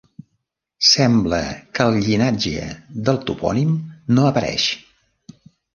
Sembla que el llinatge del topònim no apareix.